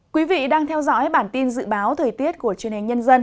quý vị đang theo dõi bản tin dự báo thời tiết của truyền hình nhân dân